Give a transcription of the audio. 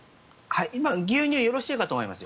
牛乳よろしいかと思います。